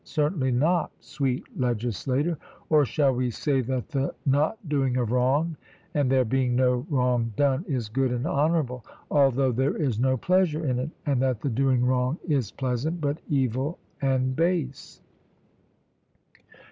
Certainly not, sweet legislator. Or shall we say that the not doing of wrong and there being no wrong done is good and honourable, although there is no pleasure in it, and that the doing wrong is pleasant, but evil and base?